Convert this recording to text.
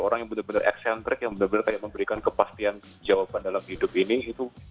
orang yang benar benar eksentrik yang benar benar kayak memberikan kepastian jawaban dalam hidup ini itu